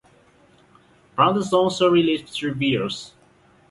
Brothers also released two videos.